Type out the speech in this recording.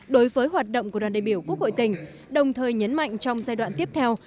đối với hoạt động của đoàn đại biểu quốc hội tỉnh đồng thời nhấn mạnh trong giai đoạn tiếp theo